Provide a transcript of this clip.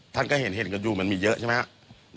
ท่านก็เห็นกันอยู่มันมีเยอะใช่ไหมครับ